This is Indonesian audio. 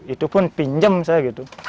itu pun pinjam saya gitu